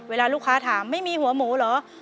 เวลาลูกค้าถามไม่มีหัวหมูเหรอ